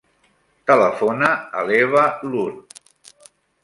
Telefona a l'Eva Loor.